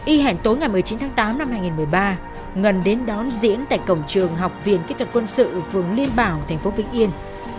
y hẹn tối ngày một mươi chín tháng tám năm hai nghìn một mươi ba ngân đến đón diễn tại cổng trường học viện kỹ thuật quân sự phường liên bảo thành phố vĩnh yên